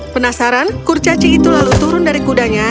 penasaran kurcaci itu lalu turun dari kudanya